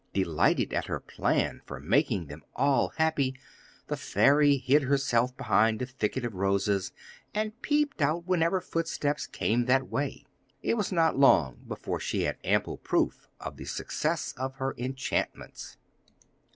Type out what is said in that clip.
Delighted at her plan for making them all happy, the fairy hid herself behind a thicket of roses, and peeped out whenever footsteps came that way. It was not long before she had ample proof of the success of her enchantments.